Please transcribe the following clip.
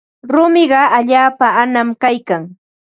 Rumiqa allaapa anam kaykan.